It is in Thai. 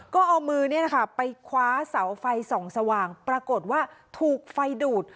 ก็เอามือไปคว้าเสาไฟส่องสว่างปรากฏว่าถูกไฟดูด